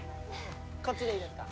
こっちでいいですか？